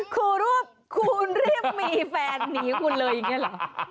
ครูรูปคุณรีบมีแฟนหนีคุณเลยอย่างนี้เหรอ